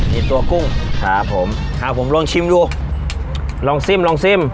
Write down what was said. มีตัวกุ้งครับผมครับผมลองชิมดูลองซิมลองซิม